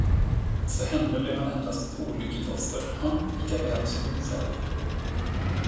För henne blev han endast ett olyckligt offer, han lika väl som hon själv.